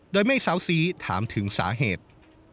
โดยไม่เซาซีถามถึงสาเหตุ